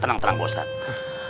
tenang tenang pak ustadz